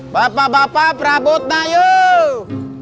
bapak bapak prabut na yuk